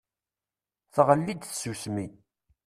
Tɣelli-d tsusmi.